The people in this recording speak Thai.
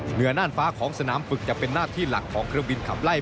เหนือน่านฟ้าของสนามฝึกจะเป็นหน้าที่หลักของเครื่องบินขับไล่